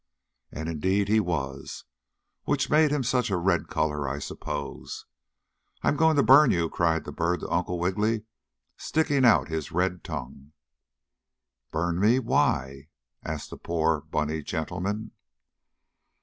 And indeed he was, which made him such a red color, I suppose. "I'm going to burn you!" cried the bird to Uncle Wiggily, sticking out his red tongue. "Burn me? Why?" asked the poor bunny gentleman.